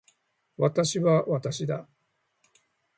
私は私だ